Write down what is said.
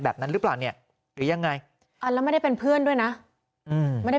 แบบนั้นหรือเปล่าเนี่ยหรือยังไงอ่าแล้วไม่ได้เป็นเพื่อนด้วยนะอืมไม่ได้